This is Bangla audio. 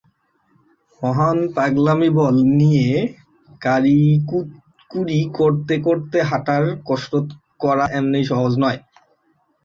মহান পাগলামিবল নিয়ে কারিকুরি করতে করতে হাঁটার কসরত করা এমনিতেই সহজ নয়।